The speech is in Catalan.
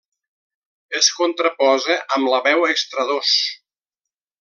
Es contraposa amb la veu extradós.